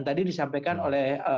tadi disampaikan oleh